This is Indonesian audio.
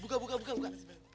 buka buka buka